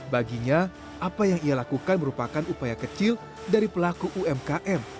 baginya apa yang ia lakukan merupakan upaya kecil dari pelaku umkm